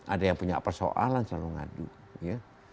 ada yang punya persoalan selalu ngadu ya